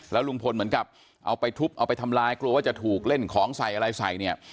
ลุงพลเหมือนกับเอาไปทุบเอาไปทำลายกลัวว่าจะถูกเล่นของใส่อะไรใส่เนี่ย